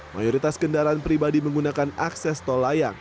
mayoritas kendaraan pribadi menggunakan akses tol layang